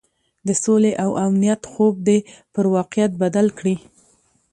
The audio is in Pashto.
د سولې او امنیت خوب دې پر واقعیت بدل کړي.